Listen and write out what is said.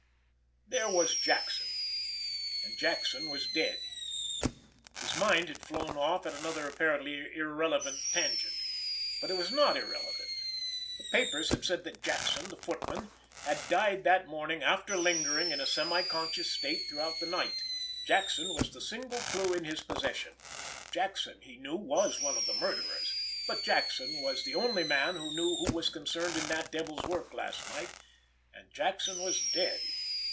There was Jackson—and Jackson was dead. His mind had flown off at another apparently irrelevant tangent. But it was not irrelevant. The papers had said that Jackson, the footman, had died that morning after lingering in a semi conscious state through the night. Jackson was the single clue in his possession. Jackson, he knew, was one of the murderers, but Jackson was the only man he knew who was concerned in that devil's work last night—and Jackson was dead.